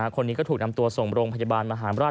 คนนี้ก็ถูกนำตัวส่งโรงพยาบาลมหาราช